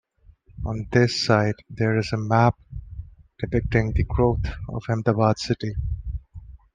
On this site there is a map depicting the growth of Ahmedabad city.